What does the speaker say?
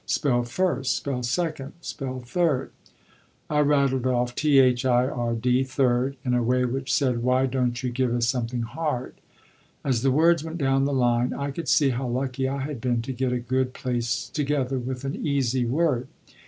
"Spell first." "Spell second." "Spell third." I rattled off: "T h i r d, third," in a way which said: "Why don't you give us something hard?" As the words went down the line, I could see how lucky I had been to get a good place together with an easy word.